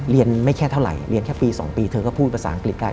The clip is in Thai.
ไม่แค่เท่าไหร่เรียนแค่ปี๒ปีเธอก็พูดภาษาอังกฤษได้